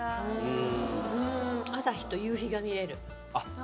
朝日と夕日が見える。